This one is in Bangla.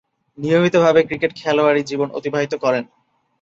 নিয়মিতভাবে ক্রিকেট খেলোয়াড়ী জীবন অতিবাহিত করেন।